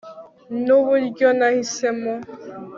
nuburyo nahisemo